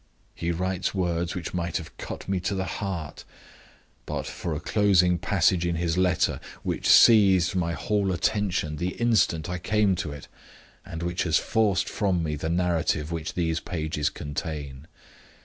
He writes words which might have cut me to the heart, but for a closing passage in his letter, which seized my whole attention the instant I came to it, and which has forced from me the narrative that these pages contain.